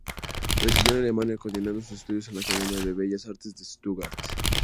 Residió en Alemania continuando sus estudios en la Academia de Bellas Artes de Stuttgart.